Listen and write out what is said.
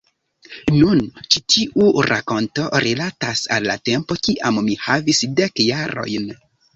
Nun, ĉi tiu rakonto rilatas al la tempo kiam mi havis dek jarojn.